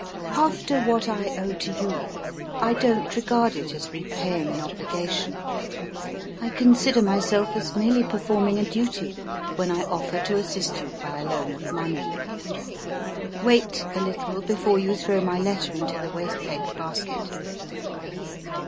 "After what I owe to you, I don't regard it as repaying an obligation; I consider myself as merely performing a duty when I offer to assist you by a loan of money. "Wait a little before you throw my letter into the waste paper basket.